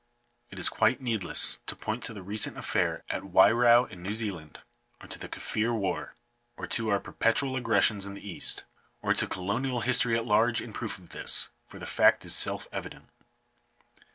It is quite needless to point to the recent affair at Wairau in New Zealand, or to the Kaffir war, or to our perpetual aggressions in the East, or to colonial history at large, in proof of this, for the fact is self evident.